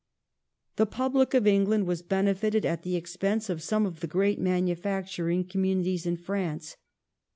The public of England was benefited at the expense of some of the great manufacturing com munities in France.